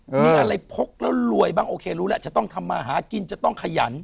มีอะไรพกแล้วรวยบ้างโอเครู้แล้วจะต้องทำมาหากินจะต้องขยัน